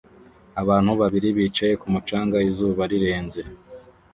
Abantu babiri bicaye ku mucanga izuba rirenze